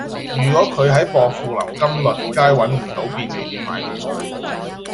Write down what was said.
如果佢喺薄扶林金粟街搵唔到便利店買汽水